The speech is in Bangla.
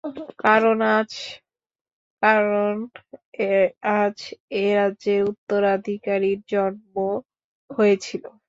কারণ আজ, কারন আজ, এ রাজ্যের উত্তরাধিকারীর জন্ম হয়েছিল।